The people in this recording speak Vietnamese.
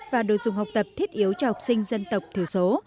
và đối dụng học tập thiết yếu cho học sinh dân tộc tiểu số